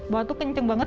waktu itu kenceng banget